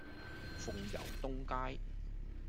鳳攸東街